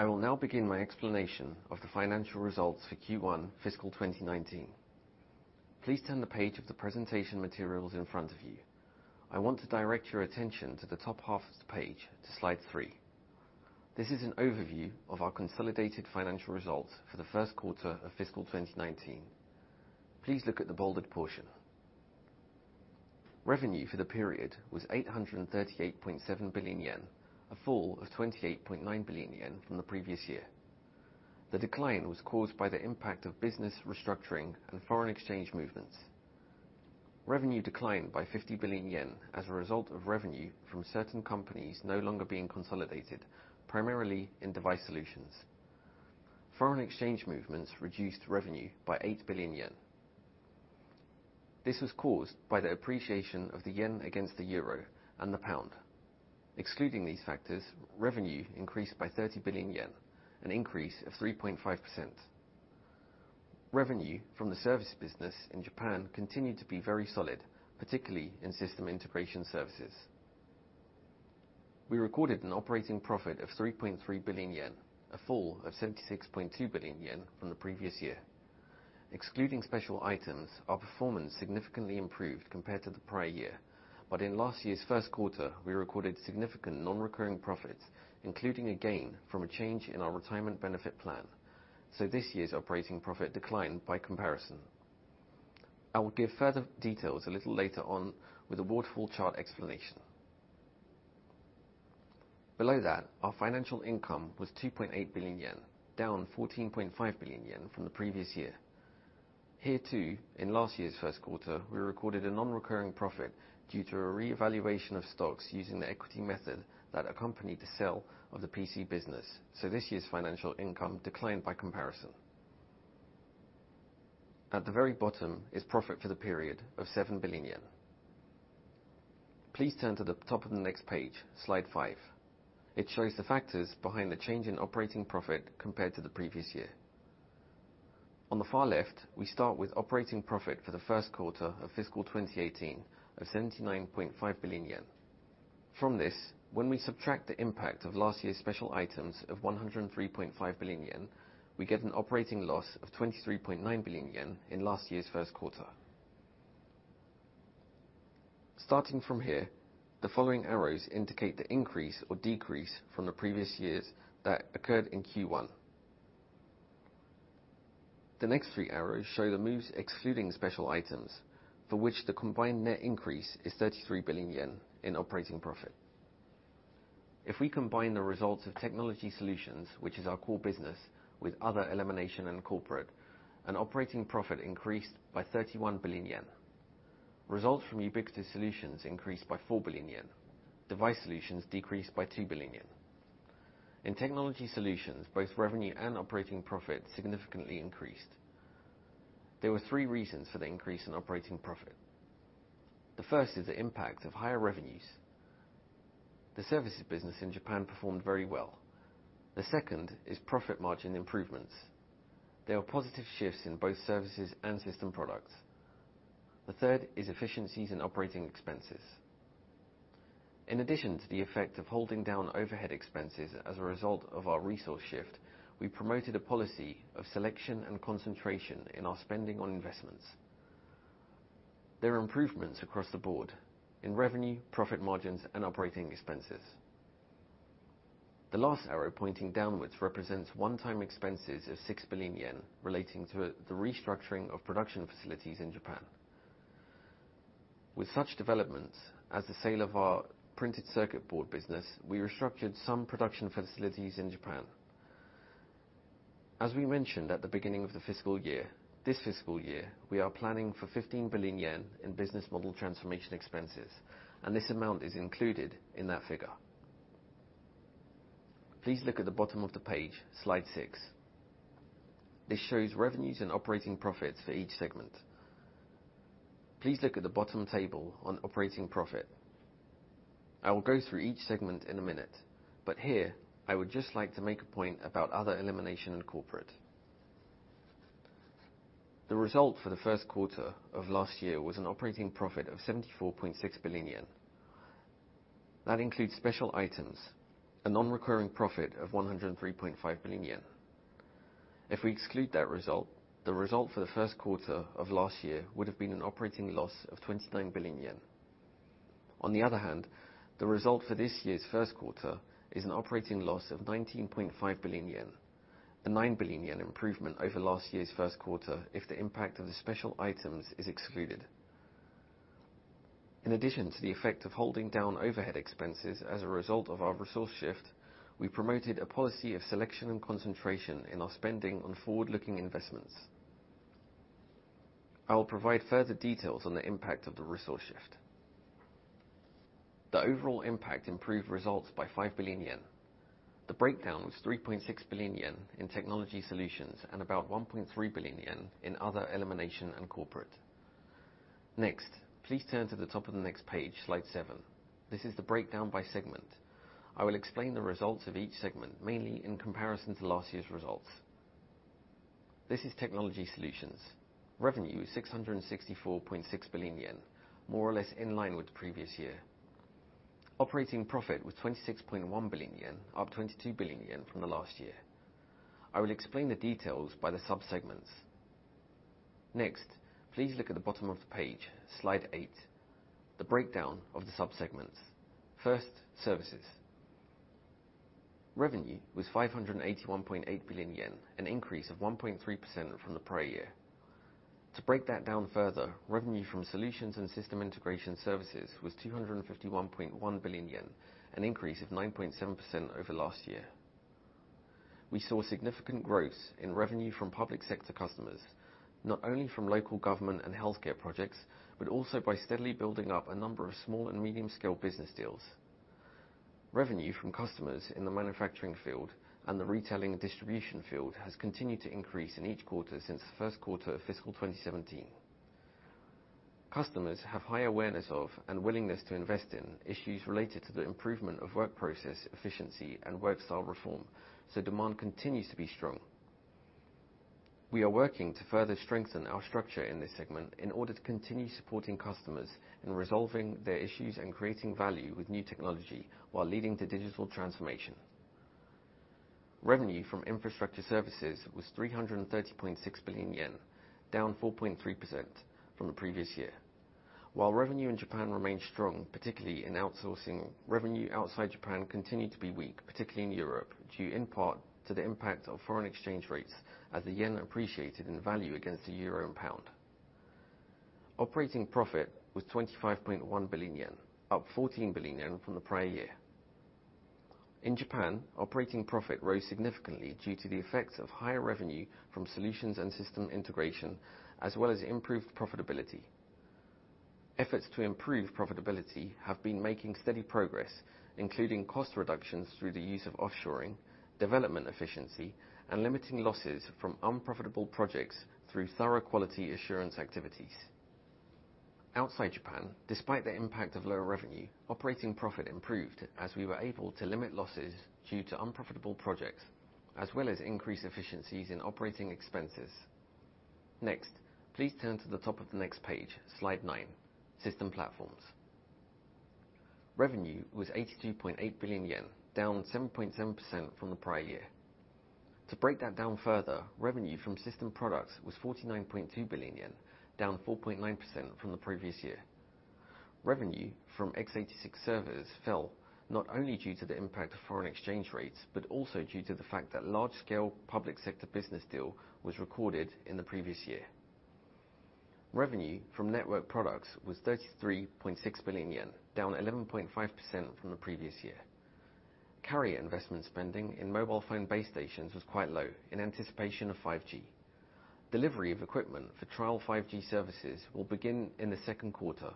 I will now begin my explanation of the financial results for Q1 fiscal 2019. Please turn the page of the presentation materials in front of you. I want to direct your attention to the top half of the page to slide three. This is an overview of our consolidated financial results for the first quarter of fiscal 2019. Please look at the bolded portion. Revenue for the period was 838.7 billion yen, a fall of 28.9 billion yen from the previous year. The decline was caused by the impact of business restructuring and foreign exchange movements. Revenue declined by 50 billion yen as a result of revenue from certain companies no longer being consolidated, primarily in Device Solutions. Foreign exchange movements reduced revenue by 8 billion yen. This was caused by the appreciation of the yen against the euro and the pound. Excluding these factors, revenue increased by 30 billion yen, an increase of 3.5%. Revenue from the service business in Japan continued to be very solid, particularly in system integration services. We recorded an operating profit of 3.3 billion yen, a fall of 76.2 billion yen from the previous year. Excluding special items, our performance significantly improved compared to the prior year. In last year's first quarter, we recorded significant non-recurring profits, including a gain from a change in our retirement benefit plan. This year's operating profit declined by comparison. I will give further details a little later on with a waterfall chart explanation. Below that, our financial income was 2.8 billion yen, down 14.5 billion yen from the previous year. Here too, in last year's first quarter, we recorded a non-recurring profit due to a reevaluation of stocks using the equity method that accompanied the sale of the PC business, this year's financial income declined by comparison. At the very bottom is profit for the period of 7 billion yen. Please turn to the top of the next page, slide five. It shows the factors behind the change in operating profit compared to the previous year. On the far left, we start with operating profit for the first quarter of fiscal 2018 of 79.5 billion yen. From this, when we subtract the impact of last year's special items of 103.5 billion yen, we get an operating loss of 23.9 billion yen in last year's first quarter. Starting from here, the following arrows indicate the increase or decrease from the previous years that occurred in Q1. The next three arrows show the moves excluding special items, for which the combined net increase is 33 billion yen in operating profit. If we combine the results of Technology Solutions, which is our core business, with other elimination and corporate, an operating profit increased by 31 billion yen. Results from Ubiquitous Solutions increased by 4 billion yen. Device Solutions decreased by 2 billion yen. In Technology Solutions, both revenue and operating profit significantly increased. There were three reasons for the increase in operating profit. The first is the impact of higher revenues. The services business in Japan performed very well. The second is profit margin improvements. There are positive shifts in both services and system products. The third is efficiencies in operating expenses. In addition to the effect of holding down overhead expenses as a result of our resource shift, we promoted a policy of selection and concentration in our spending on investments. There are improvements across the board, in revenue, profit margins, and operating expenses. The last arrow pointing downwards represents one-time expenses of 6 billion yen relating to the restructuring of production facilities in Japan. With such developments, as the sale of our printed circuit board business, we restructured some production facilities in Japan. As we mentioned at the beginning of the fiscal year, this fiscal year, we are planning for 15 billion yen in business model transformation expenses, and this amount is included in that figure. Please look at the bottom of the page, slide seven. This shows revenues and operating profits for each segment. Please look at the bottom table on operating profit. I will go through each segment in a minute, but here, I would just like to make a point about other elimination and corporate. The result for the first quarter of last year was an operating profit of 74.6 billion yen. That includes special items, a non-recurring profit of 103.5 billion yen. If we exclude that result, the result for the first quarter of last year would have been an operating loss of 29 billion yen. On the other hand, the result for this year's first quarter is an operating loss of 19.5 billion yen, a 9 billion yen improvement over last year's first quarter if the impact of the special items is excluded. In addition to the effect of holding down overhead expenses as a result of our resource shift, we promoted a policy of selection and concentration in our spending on forward-looking investments. I will provide further details on the impact of the resource shift. The overall impact improved results by 5 billion yen. The breakdown was 3.6 billion yen in Technology Solutions and about 1.3 billion yen in other elimination and corporate. Next, please turn to the top of the next page, slide seven. This is the breakdown by segment. I will explain the results of each segment, mainly in comparison to last year's results. This is Technology Solutions. Revenue is 664.6 billion yen, more or less in line with the previous year. Operating profit was 26.1 billion yen, up 22 billion yen from last year. I will explain the details by the sub-segments. Next, please look at the bottom of the page, slide eight, the breakdown of the sub-segments. First, Services. Revenue was 581.8 billion yen, an increase of 1.3% from the prior year. To break that down further, revenue from Solutions and System Integration services was 251.1 billion yen, an increase of 9.7% over last year. We saw significant growth in revenue from public sector customers, not only from local government and healthcare projects, but also by steadily building up a number of small and medium-scale business deals. Revenue from customers in the manufacturing field and the retailing distribution field has continued to increase in each quarter since the first quarter of fiscal 2017. Customers have high awareness of and willingness to invest in issues related to the improvement of work process efficiency and work style reform, so demand continues to be strong. We are working to further strengthen our structure in this segment in order to continue supporting customers in resolving their issues and creating value with new technology while leading to digital transformation. Revenue from infrastructure services was 330.6 billion yen, down 4.3% from the previous year. While revenue in Japan remained strong, particularly in outsourcing, revenue outside Japan continued to be weak, particularly in Europe, due in part to the impact of foreign exchange rates as the yen appreciated in value against the euro and pound. Operating profit was 25.1 billion yen, up 14 billion yen from the prior year. In Japan, operating profit rose significantly due to the effects of higher revenue from solutions and system integration, as well as improved profitability. Efforts to improve profitability have been making steady progress, including cost reductions through the use of offshoring, development efficiency, and limiting losses from unprofitable projects through thorough quality assurance activities. Outside Japan, despite the impact of lower revenue, operating profit improved as we were able to limit losses due to unprofitable projects, as well as increase efficiencies in operating expenses. Please turn to the top of the next page, slide nine, System Platforms. Revenue was 82.8 billion yen, down 7.7% from the prior year. To break that down further, revenue from system products was 49.2 billion yen, down 4.9% from the previous year. Revenue from x86 servers fell not only due to the impact of foreign exchange rates, but also due to the fact that large-scale public sector business deal was recorded in the previous year. Revenue from network products was 33.6 billion yen, down 11.5% from the previous year. Carrier investment spending in mobile phone base stations was quite low in anticipation of 5G. Delivery of equipment for trial 5G services will begin in the second quarter.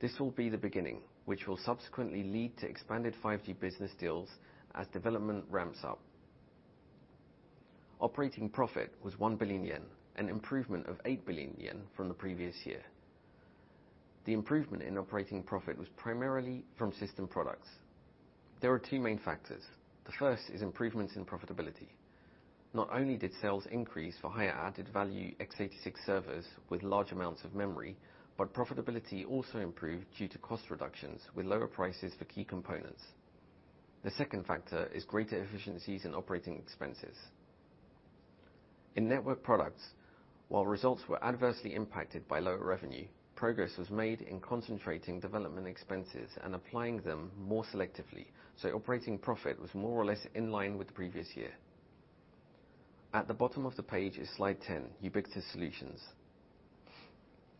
This will be the beginning, which will subsequently lead to expanded 5G business deals as development ramps up. Operating profit was 1 billion yen, an improvement of 8 billion yen from the previous year. The improvement in operating profit was primarily from system products. There are two main factors. The first is improvements in profitability. Not only did sales increase for higher added value x86 servers with large amounts of memory, but profitability also improved due to cost reductions, with lower prices for key components. The second factor is greater efficiencies in operating expenses. In network products, while results were adversely impacted by lower revenue, progress was made in concentrating development expenses and applying them more selectively, so operating profit was more or less in line with the previous year. At the bottom of the page is slide 10, Ubiquitous Solutions.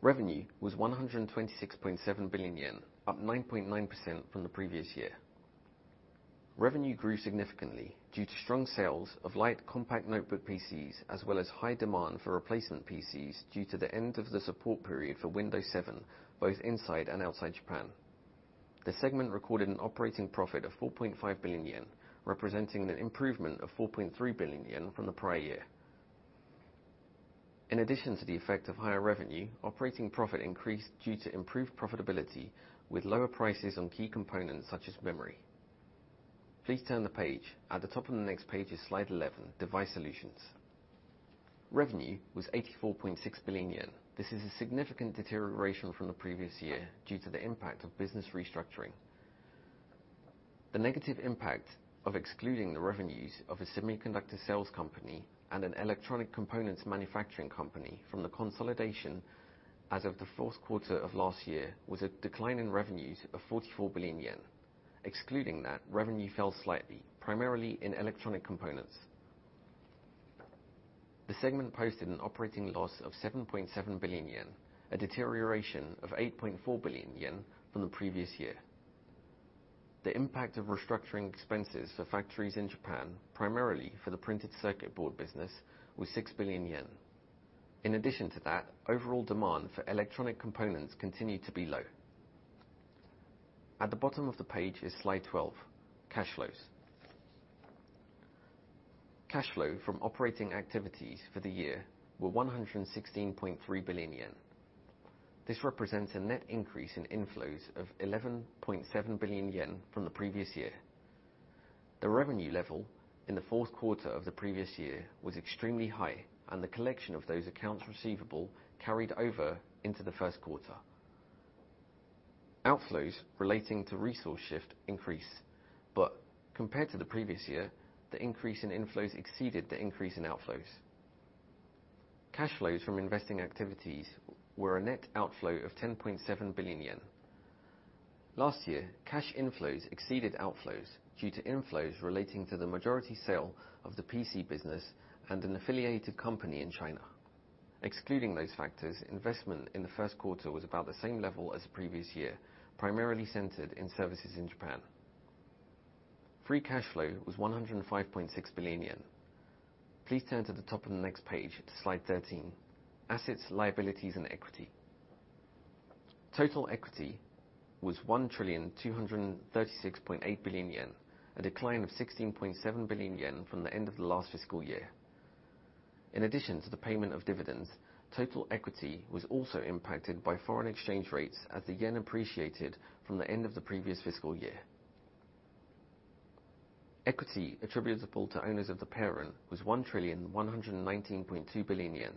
Revenue was 126.7 billion yen, up 9.9% from the previous year. Revenue grew significantly due to strong sales of light compact notebook PCs, as well as high demand for replacement PCs due to the end of the support period for Windows 7, both inside and outside Japan. The segment recorded an operating profit of 4.5 billion yen, representing an improvement of 4.3 billion yen from the prior year. In addition to the effect of higher revenue, operating profit increased due to improved profitability with lower prices on key components such as memory. Please turn the page. At the top of the next page is slide 11, Device Solutions. Revenue was 84.6 billion yen. This is a significant deterioration from the previous year due to the impact of business restructuring. The negative impact of excluding the revenues of a semiconductor sales company and an electronic components manufacturing company from the consolidation as of the fourth quarter of last year, was a decline in revenues of 44 billion yen. Excluding that, revenue fell slightly, primarily in electronic components. The segment posted an operating loss of 7.7 billion yen, a deterioration of 8.4 billion yen from the previous year. The impact of restructuring expenses for factories in Japan, primarily for the printed circuit board business, was 6 billion yen. In addition to that, overall demand for electronic components continued to be low. At the bottom of the page is slide 12, Cash Flows. Cash flow from operating activities for the year were 116.3 billion yen. This represents a net increase in inflows of 11.7 billion yen from the previous year. The revenue level in the fourth quarter of the previous year was extremely high, and the collection of those accounts receivable carried over into the first quarter. Outflows relating to resource shift increased, but compared to the previous year, the increase in inflows exceeded the increase in outflows. Cash flows from investing activities were a net outflow of 10.7 billion yen. Last year, cash inflows exceeded outflows due to inflows relating to the majority sale of the PC business and an affiliated company in China. Excluding those factors, investment in the first quarter was about the same level as the previous year, primarily centered in services in Japan. Free cash flow was 105.6 billion yen. Please turn to the top of the next page to slide 13, Assets, Liabilities, and Equity. Total equity was 1 trillion, 236.8 billion, a decline of 16.7 billion yen from the end of the last fiscal year. In addition to the payment of dividends, total equity was also impacted by foreign exchange rates as the yen appreciated from the end of the previous fiscal year. Equity attributable to owners of the parent was 1 trillion, 119.2 billion.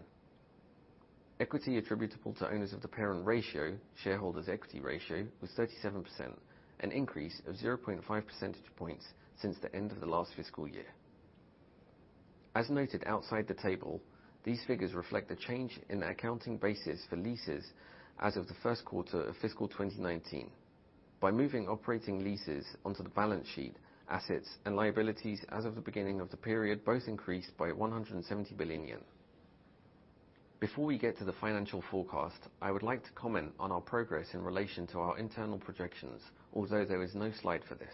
Equity attributable to owners of the parent ratio, shareholders equity ratio was 37%, an increase of 0.5 percentage points since the end of the last fiscal year. As noted outside the table, these figures reflect a change in the accounting basis for leases as of the first quarter of fiscal 2019. By moving operating leases onto the balance sheet, assets and liabilities as of the beginning of the period both increased by 170 billion yen. Before we get to the financial forecast, I would like to comment on our progress in relation to our internal projections, although there is no slide for this.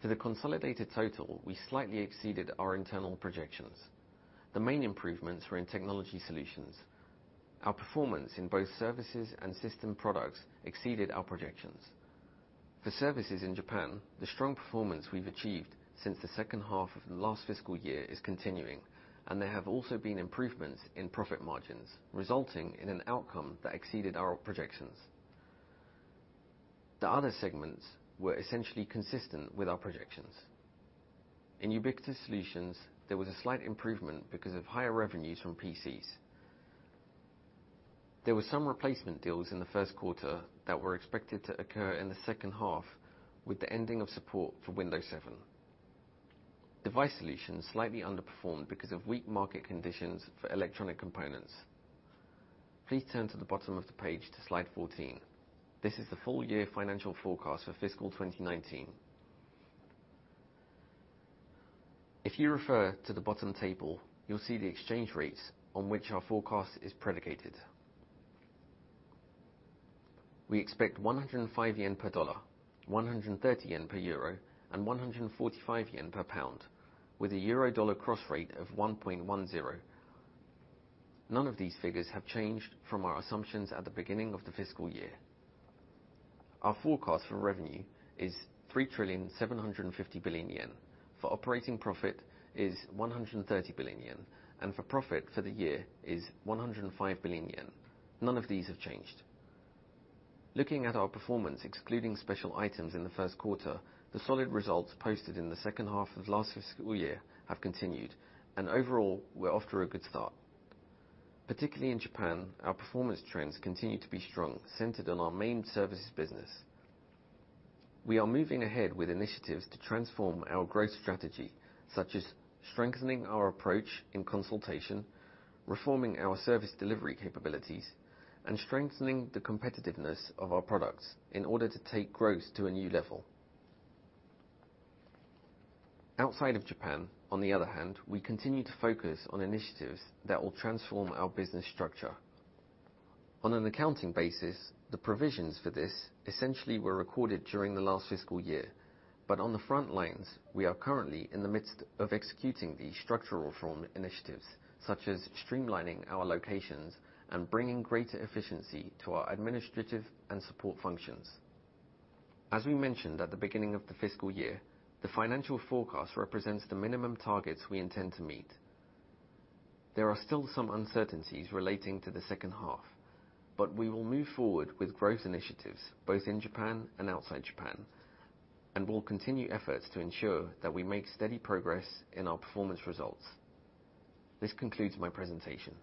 For the consolidated total, we slightly exceeded our internal projections. The main improvements were in Technology Solutions. Our performance in both services and system products exceeded our projections. For services in Japan, the strong performance we've achieved since the second half of last fiscal year is continuing, and there have also been improvements in profit margins, resulting in an outcome that exceeded our projections. The other segments were essentially consistent with our projections. In Ubiquitous Solutions, there was a slight improvement because of higher revenues from PCs. There were some replacement deals in the first quarter that were expected to occur in the second half with the ending of support for Windows 7. Device Solutions slightly underperformed because of weak market conditions for electronic components. Please turn to the bottom of the page to slide 14. This is the full year financial forecast for fiscal 2019. If you refer to the bottom table, you'll see the exchange rates on which our forecast is predicated. We expect 105 yen per USD, JPY 130 per EUR, and JPY 145 per GBP, with a euro-dollar cross rate of 1.10. None of these figures have changed from our assumptions at the beginning of the fiscal year. Our forecast for revenue is 3 trillion, 750 billion, for operating profit is 130 billion yen, and for profit for the year is 105 billion yen. None of these have changed. Looking at our performance, excluding special items in the first quarter, the solid results posted in the second half of last fiscal year have continued, and overall, we are off to a good start. Particularly in Japan, our performance trends continue to be strong, centered on our main services business. We are moving ahead with initiatives to transform our growth strategy, such as strengthening our approach in consultation, reforming our service delivery capabilities, and strengthening the competitiveness of our products in order to take growth to a new level. Outside of Japan, on the other hand, we continue to focus on initiatives that will transform our business structure. On an accounting basis, the provisions for this essentially were recorded during the last fiscal year, but on the front lines, we are currently in the midst of executing these structural reform initiatives, such as streamlining our locations and bringing greater efficiency to our administrative and support functions. As we mentioned at the beginning of the fiscal year, the financial forecast represents the minimum targets we intend to meet. There are still some uncertainties relating to the second half. We will move forward with growth initiatives both in Japan and outside Japan, and will continue efforts to ensure that we make steady progress in our performance results. This concludes my presentation.